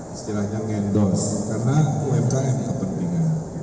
istilahnya ngendorse karena umkm kepentingan